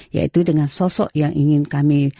yaitu dengan sosok yang ingin kami